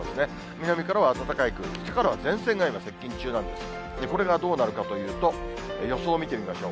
南からは暖かい空気、北からは前線が今接近中なんですが、これがどうなるかというと、予想を見てみましょう。